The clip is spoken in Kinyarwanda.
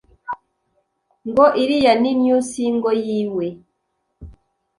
Ngo iriya ni new single yiwe